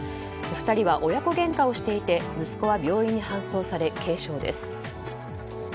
２人は親子げんかをしていて息子は病院に搬送され軽傷です。